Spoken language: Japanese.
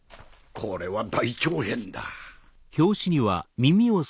これは大長編だ。